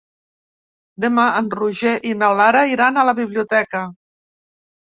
Demà en Roger i na Lara iran a la biblioteca.